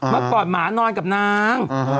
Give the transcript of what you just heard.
เมื่อก่อนหมานอนกับนาง